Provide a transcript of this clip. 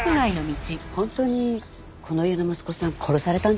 本当にこの家の息子さん殺されたんですか？